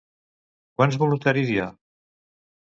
Quants voluntaris hi ha?